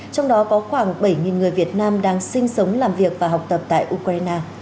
trong đó có khoảng bảy người việt nam đang sinh sống làm việc và học tập tại ukraine